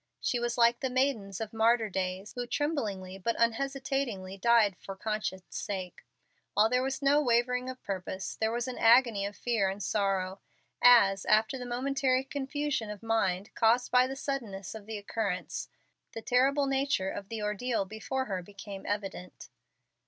She was like the maidens of martyr days, who tremblingly but unhesitatingly died for conscience' sake. While there was no wavering of purpose, there was an agony of fear and sorrow, as, after the momentary confusion of mind caused by the suddenness of the occurrence, the terrible nature of the ordeal before her became evident.